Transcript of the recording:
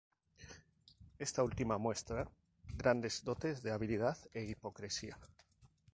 Esta última muestra grandes dotes de habilidad e hipocresía.